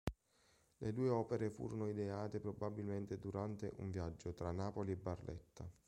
Le due opere furono ideate probabilmente durante un viaggio tra Napoli e Barletta.